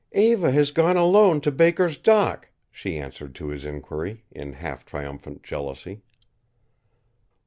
"Eva has gone alone to Baker's dock," she answered to his inquiry, in half triumphant jealousy.